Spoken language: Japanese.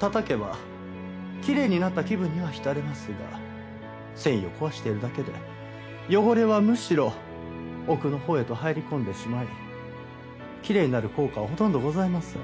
叩けばきれいになった気分には浸れますが繊維を壊してるだけで汚れはむしろ奥のほうへと入り込んでしまいきれいになる効果はほとんどございません。